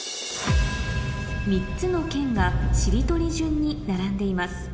３つの県がしりとり順に並んでいます